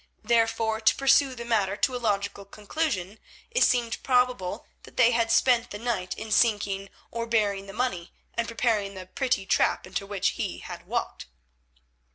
Therefore, to pursue the matter to a logical conclusion, it seemed probable that they had spent the night in sinking or burying the money, and preparing the pretty trap into which he had walked.